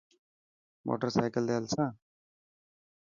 موٽر سائيڪل تي هلسان.